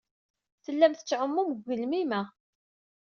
Tellam tettɛumum deg ugelmim-a.